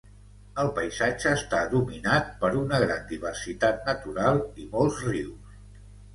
El paisatge està dominat per una gran diversitat natural i molts rius.